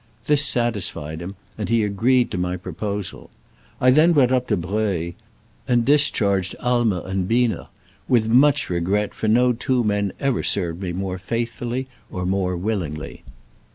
This satisfied him, and he agreed to my proposal. I then went up to Breuil, and discharged Aimer and Biener — with much regret, for no two men ever served me more faithfully or more willingly.